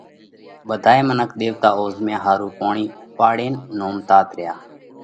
ٻڌائي منک ۮيوَتا اوزهميا ۿارُو پوڻِي اُوپاڙينَ نومتات ريا۔